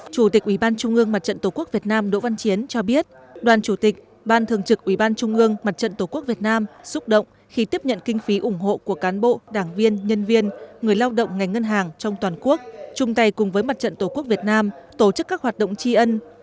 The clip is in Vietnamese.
chủ tịch ủy ban trung ương mặt trận tổ quốc việt nam đỗ văn chiến cho biết đoàn chủ tịch ban thường trực ủy ban trung ương mặt trận tổ quốc việt nam xúc động khi tiếp nhận kinh phí ủng hộ của cán bộ đảng viên nhân viên người lao động ngành ngân hàng trong toàn quốc chung tay cùng với mặt trận tổ quốc việt nam tổ chức các hoạt động tri ân